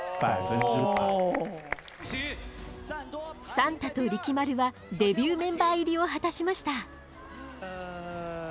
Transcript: サンタとリキマルはデビューメンバー入りを果たしました。